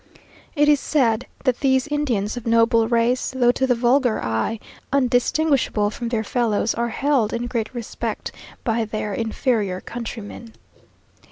It is said that these Indians of noble race, though to the vulgar eye undistinguishable from their fellows, are held in great respect by their inferior countrymen.